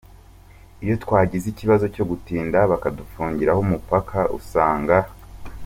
Iyo twagize ikibazo cyo gutinda bakadufungiraho umupaka, usanga n.